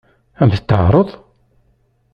Ad m-t-teɛṛeḍ?